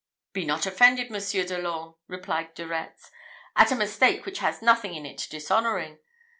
"Be not offended, Monsieur de l'Orme," replied De Retz, "at a mistake which has nothing in it dishonouring.